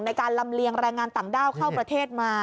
ในการลำเลียงแรงงานต่างด้าวเข้าประเทศมา